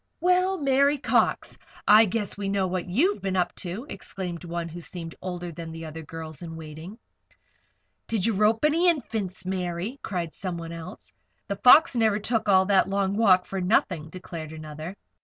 "Well, Mary Cox! I guess we know what you've been up to," exclaimed one who seemed older than the other girls in waiting. "Did you rope any Infants, Mary?" cried somebody else. "'The Fox' never took all that long walk for nothing," declared another.